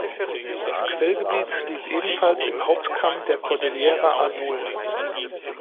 Das Quellgebiet liegt ebenfalls im Hauptkamm der Cordillera Azul.